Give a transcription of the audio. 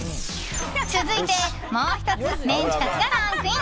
続いて、もう１つメンチカツがランクイン。